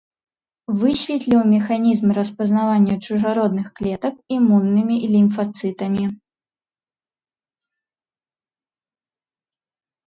Высветліў механізм распазнавання чужародных клетак імуннымі лімфацытамі.